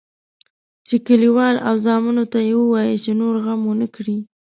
چې کلیوال او زامنو ته یې ووایي چې نور غم ونه کړي.